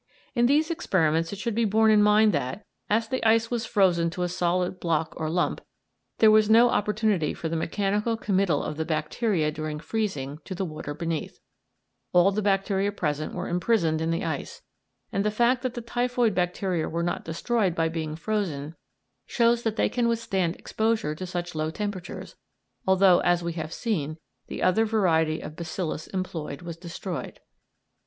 In these experiments it should be borne in mind that, as the ice was frozen to a solid block or lump, there was no opportunity for the mechanical committal of the bacteria during freezing to the water beneath; all the bacteria present were imprisoned in the ice, and the fact that the typhoid bacteria were not destroyed by being frozen shows that they can withstand exposure to such low temperatures, although, as we have seen, the other variety of bacillus employed was destroyed.